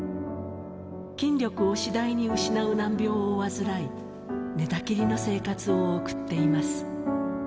筋力を次第に失う難病を患い、寝たきりの生活を送っています。